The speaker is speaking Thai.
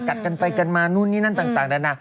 กัดกันไปกันมานู่นนี่นั่นต่างนานา